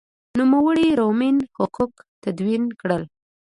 نوموړي رومن حقوق تدوین کړل.